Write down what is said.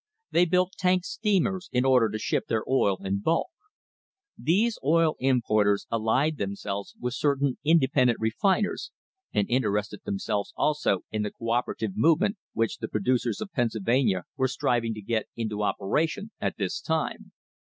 They built tank steamers in order to ship their oil in bulk. These oil importers allied themselves with certain independent refiners, and interested themselves also in the co operative movement which the producers of Pennsyl vania were striving to get into operation at this time.